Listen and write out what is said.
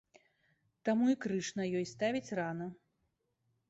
Таму і крыж на ёй ставіць рана.